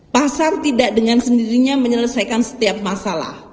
pasar tidak dengan sendirinya menyelesaikan setiap masalah